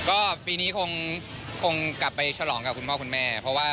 ก็ปีนี้คงกลับไปฉลองกับคุณพ่อคุณแม่